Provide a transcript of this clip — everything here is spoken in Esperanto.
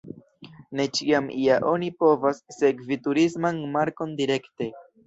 Ne ĉiam ja oni povas sekvi turisman markon direkte.